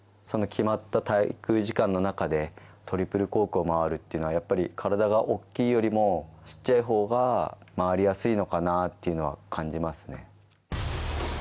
その決まった滞空時間の中で、トリプルコークを回るっていうのは、やっぱり体が大きいよりも、ちっちゃいほうが回りやすいのかなっていうのは感じますね。